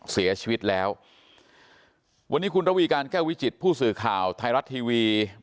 เสียชีวิตแล้ววันนี้คุณระวีการแก้ววิจิตผู้สื่อข่าวไทยรัฐทีวี